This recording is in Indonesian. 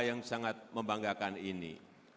yang sangat membanggakan ini